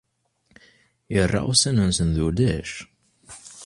Irra ussan-nsen d ulac.